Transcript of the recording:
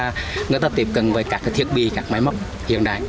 và người ta tiếp cận với các thiết bị các máy móc hiện đại